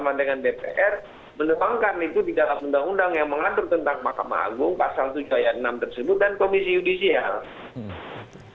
pasal tujuan enam tersebut dan komisi judicial